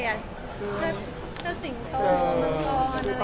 เซอสิงเทอร์